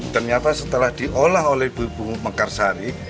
ternyata setelah diolah oleh bubuk mengkarsari